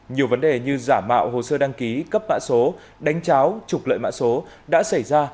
nhiều vấn đề như giả mạo hồ sơ đăng ký cấp mã số đánh cháo trục lợi mã số đã xảy ra